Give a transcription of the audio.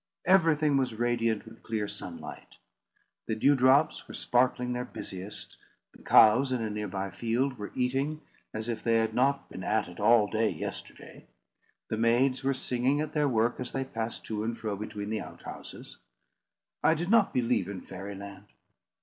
Everything was radiant with clear sunlight. The dew drops were sparkling their busiest; the cows in a near by field were eating as if they had not been at it all day yesterday; the maids were singing at their work as they passed to and fro between the out houses: I did not believe in Fairy Land.